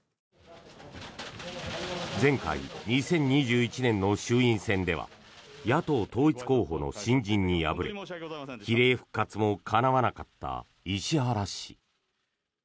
前回、２０２１年の衆院選では野党統一候補の新人に敗れ比例復活もかなわなかった石原氏。